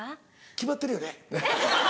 決まってるよね。